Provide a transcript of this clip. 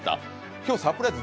今日サプライズ